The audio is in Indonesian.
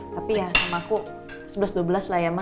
tapi ya sama aku sebelas dua belas lah ya